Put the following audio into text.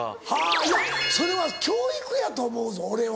いやそれは教育やと思うぞ俺は。